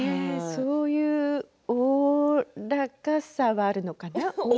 そういうおおらかさがあるのかな？